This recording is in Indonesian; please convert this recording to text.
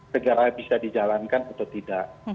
segera bisa dijalankan atau tidak